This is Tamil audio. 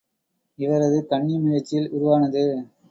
இவரது கன்னி முயற்சியில் உருவானது.